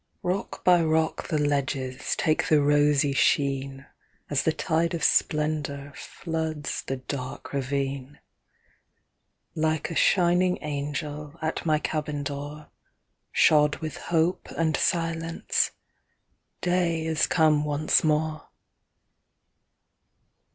Rock by rock the ledges Take the rosy sheen, As the tide of splendor Floods the dark ravine. Like a shining angel At my cabin door, Shod with hope and silence, Day is come once more.